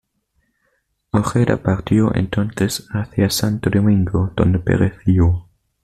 Ojeda partió entonces hacia Santo Domingo, donde pereció.